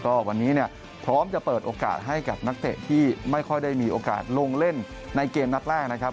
ก็วันนี้เนี่ยพร้อมจะเปิดโอกาสให้กับนักเตะที่ไม่ค่อยได้มีโอกาสลงเล่นในเกมนัดแรกนะครับ